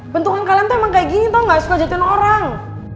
bentukan kalian tuh emang kayak gini tau gak suka jatuhin orang